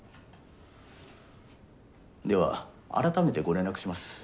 では改めてご連絡します。